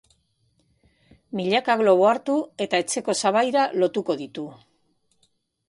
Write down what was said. Milaka globo hartu eta etxeko sabaira lotuko ditu.